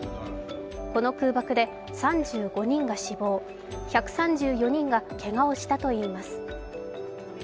この空爆で３５人が死亡１３４人がけがをしたといいます。